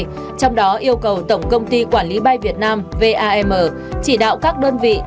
trong đó yêu cầu tổng công ty quản lý bay việt nam vam chỉ đạo các đơn vị